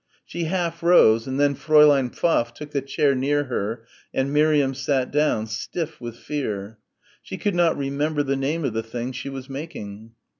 She half rose and then Fräulein Pfaff took the chair near her and Miriam sat down, stiff with fear. She could not remember the name of the thing she was making.